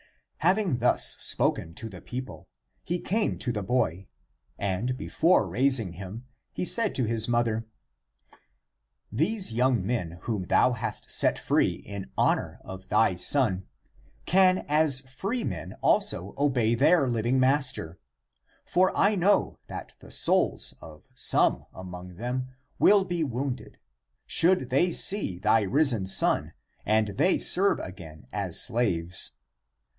Having thus spoken to the people, he came to the boy, and before raising him he said to his mother, " These young men, whom thou hast set free in honor of thy son, can as free men (also) obey their living master. For I know that the souls of some (among them) will be wounded, should they see thy risen son and they serve again (as slaves).